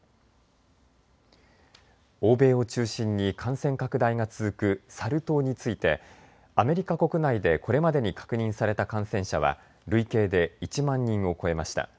欧米を中心に感染拡大が続くサル痘についてアメリカ国内でこれまでに確認された感染者は累計で１万人を超えました。